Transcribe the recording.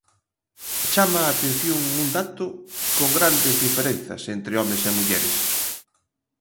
Chama a atención un dato, con grandes diferenzas entre homes e mulleres.